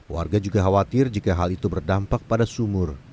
warga juga khawatir jika hal itu berdampak pada sumur